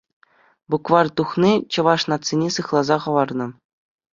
Букварь тухни чӑваш нацине сыхласа хӑварнӑ.